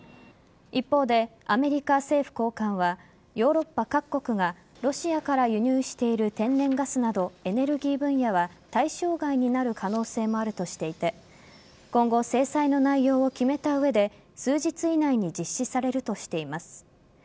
一方でアメリカ政府高官はヨーロッパ各国がロシアから輸入している天然ガスなどエネルギー分野は対象外になる可能性もあるとしていて今後、制裁の内容を決めた上で数日以内に実施されるとしています。